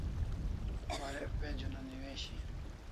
Warek page una newishi